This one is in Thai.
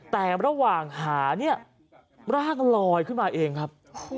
แต่ระหว่างหาเนี่ยร่างลอยขึ้นมาเองครับ